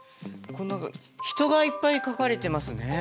人がいっぱい描かれてますね。